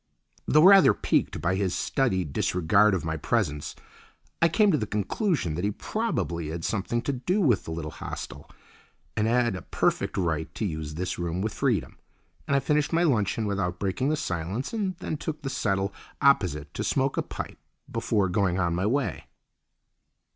Though rather piqued by his studied disregard of my presence, I came to the conclusion that he probably had something to do with the little hostel and had a perfect right to use this room with freedom, and I finished my luncheon without breaking the silence and then took the settle opposite to smoke a pipe before going on my way.